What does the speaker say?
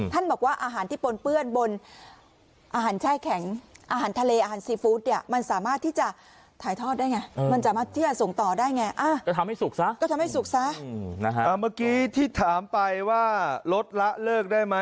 ท่านบอกว่าอาหารที่ปนเปื้อนบนอาหารแช่แข็ง